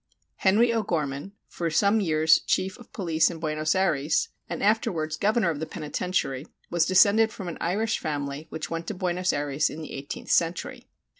Henry O'Gorman, for some years chief of police in Buenos Ayres and afterwards governor of the penitentiary, was descended from an Irish family which went to Buenos Ayres in the eighteenth century.